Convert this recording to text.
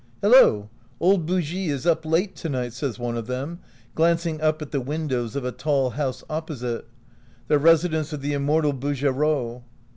"Hello! old Bougie is up late to night," says one of them, glancing up at the win dows of a tall house opposite — the residence of the immortal Bougereau.